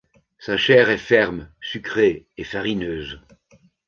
Sa chair est ferme, sucrée et farineuse.